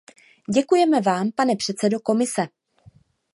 Děkujeme vám, pane předsedo Komise.